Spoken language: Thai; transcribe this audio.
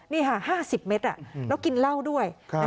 นี่ค่ะ๕๐เมตรแล้วกินเหล้าด้วย